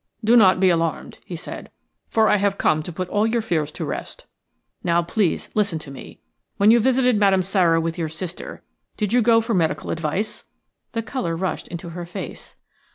"Do not be alarmed," he said, "for I have come to put all your fears to rest. Now, please, listen to me. When you visited Madame Sara with your sister, did you go for medical advice?" The colour rushed into her face.